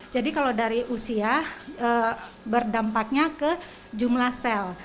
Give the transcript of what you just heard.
jadi kalau dari usia berdampaknya ke jumlah sel